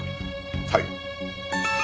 はい。